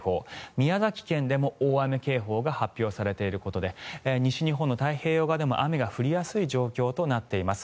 宮崎県でも大雨警報が発表されているということで西日本の太平洋側でも雨が降りやすい状況となっています。